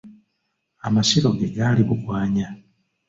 Amasiro ge gali Bugwanya.